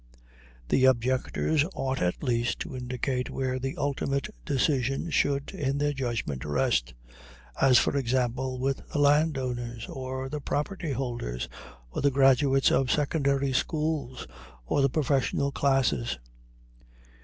The objectors ought at least to indicate where the ultimate decision should, in their judgment, rest as, for example, with the land owners, or the property holders, or the graduates of secondary schools, or the professional classes.